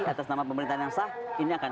atas nama pemerintahan yang sah ini akan